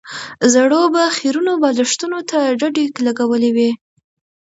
زړو به خيرنو بالښتونو ته ډډې لګولې وې.